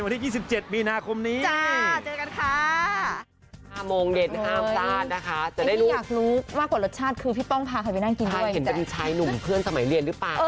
วันที่๒๗มีนาคมนี้